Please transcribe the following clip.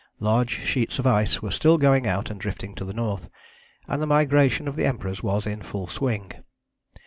Large sheets of ice were still going out and drifting to the north, and the migration of the Emperors was in full swing.